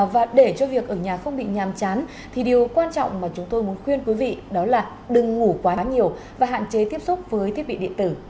và để cho việc ở nhà không bị nhàm chán thì điều quan trọng mà chúng tôi muốn khuyên quý vị đó là đừng ngủ quá nhiều và hạn chế tiếp xúc với thiết bị điện tử